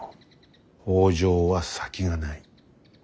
北条は先がない。